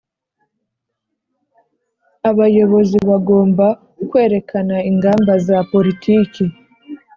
Abayobozi bagomba kwerekana ingamba na politiki